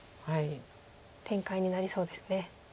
展開になりそうですね。